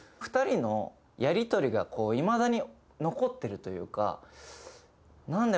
２人のやり取りがこういまだに残ってるというかな